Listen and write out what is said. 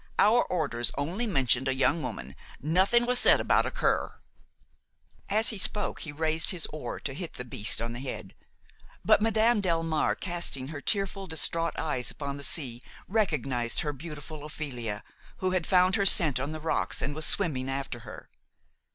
Our orders only mentioned a young woman, nothing was said about a cur–" As he spoke he raised his oar to hit the beast on the head; but Madame Delmare, casting her tearful, distraught eyes upon the sea, recognized her beautiful Ophelia, who had found her scent on the rocks and was swimming after her.